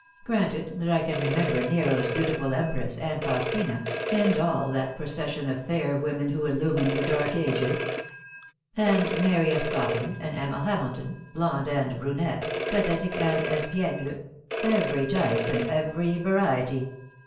Granted that I can remember Nero's beautiful Empress, and Faustina, and all that procession of fair women who illumine the Dark Ages and Mary of Scotland, and Emma Hamilton, blonde and brunette, pathetic and espiegle, every type, and every variety.